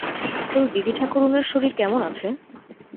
তোর দিদিঠাকরুনের শরীর কেমন আছে?